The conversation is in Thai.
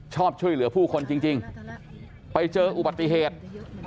ชอบช่วยเหลือผู้คนจริงไปเจออุบัติเหตุ